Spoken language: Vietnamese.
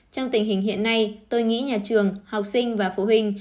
trong tình hình hiện nay tôi nghĩ nhà trường học sinh và phụ huynh